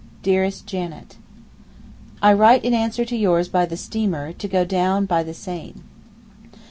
DEAREST JANET, I write in answer to yours by the steamer, to go down by the same.